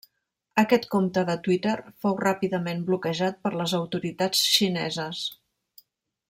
Aquest compte de Twitter fou ràpidament bloquejat per les autoritats xineses.